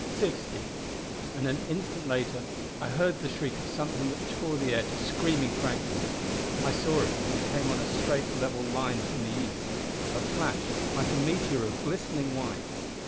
and an instant later I heard the shriek of something that tore the air to screaming fragments. I saw it as it came on a straight, level line from the east; a flash like a meteor of glistening white.